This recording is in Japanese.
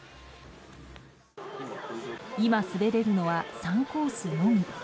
今、滑れるのは３コースのみ。